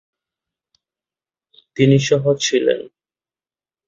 তিনি সহ-ছিলেন।